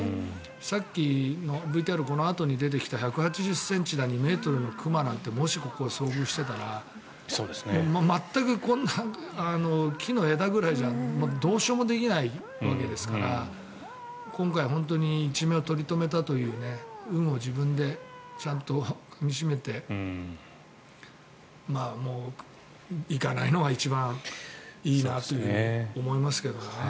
さっき、ＶＴＲこのあとに出てきた１８０ｃｍだ、２ｍの熊なんてもしここで遭遇していたら全くこんな木の枝ぐらいじゃどうしようもできないわけですから今回本当に一命を取り留めたという運を自分でちゃんとかみ締めて行かないのが一番いいと思いますけど。